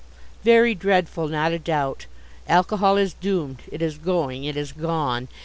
Very dreadful, not a doubt. Alcohol is doomed; it is going it is gone.